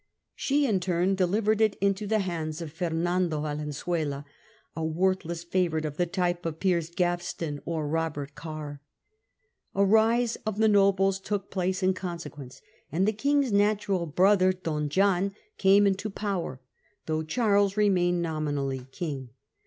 She in*her turn delivered it into the hands Revolution Fernando Valenzuela, a worthless favourite in Spain. of the type of Piers Gaveston or Robert Carr. A rising of the nobles took place in consequence, and the King's natural brother, Don John, came into power, though Charles remained nominally King.